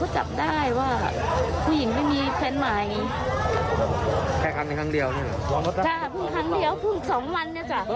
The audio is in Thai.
ใช่ครับเพิ่งครั้งเดียวเพิ่งสองวัน